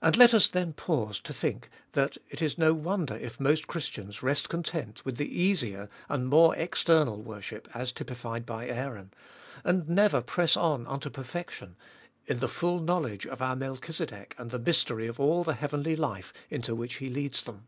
And let us then pause to think that it is no wonder if most 266 trbe Iboliest of Bll Christians rest content with the easier and more external worship as typified by Aaron, and never press on unto perfection, in the full knowledge of our Melchizedek and the mystery of the heavenly life into which He leads them.